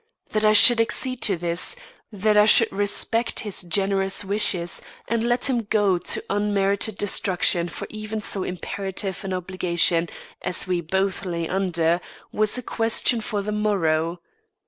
That I should accede to this; that I should respect his generous wishes and let him go to unmerited destruction for even so imperative an obligation as we both lay under, was a question for the morrow.